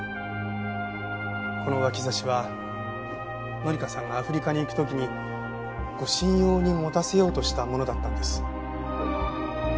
この脇差しは紀香さんがアフリカに行く時に護身用に持たせようとしたものだったんです。